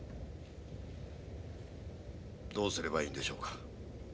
どうすればいいんでしょうか？